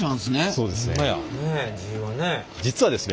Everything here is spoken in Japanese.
そうですね。